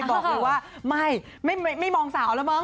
บอกว่าไม่ไม่ไม่ไม่มองสาวแล้วเม้ง